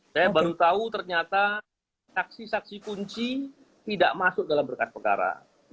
saya baru tahu ternyata saksi saksi kunci tidak masuk dalam berkas perkara